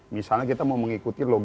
misalnya kita mau mengikuti lomba